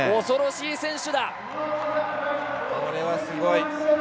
恐ろしい選手だ。